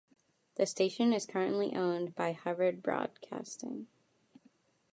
The station is currently owned by Hubbard Broadcasting.